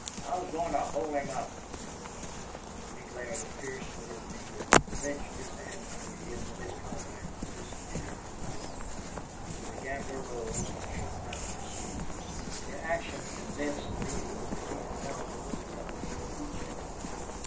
"I was goin' to hold him up," said Mull. He glared fiercely at Neale, wrenched his hand free, and with his comrades disappeared in the crowd. The gambler rose and shook down his sleeves. The action convinced Neale that he had held a little gun in each hand.